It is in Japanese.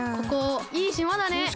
ここいいしまだね。